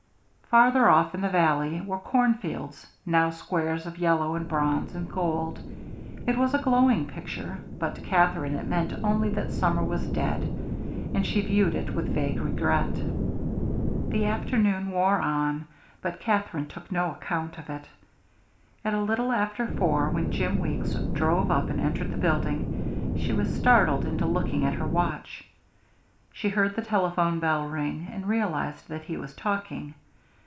Farther off, in the valley, were corn fields, now squares of yellow and bronze and gold. It was a glowing picture, but to Katherine it meant only that summer was dead, and she viewed it with vague regret. The afternoon wore on, but Katherine took no account of it. At a little after four, when Jim Weeks drove up and entered the building, she was startled into looking at her watch. She heard the telephone bell ring, and realized that he was talking.